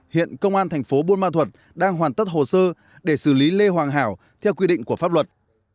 hiện công an tp bun ma thuột đang hoàn tất hồ sơ để xử lý lê hoàng hảo theo quy định của pháp luật